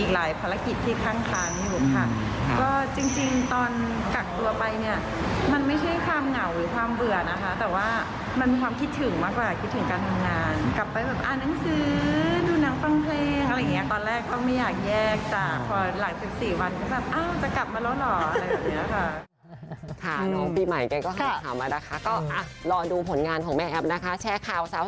หนังสือดูหนังฟังเพลงตอนแรกเขาไม่อยากแยกจาก